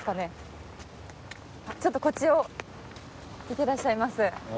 ちょっとこっちを見てらっしゃいます。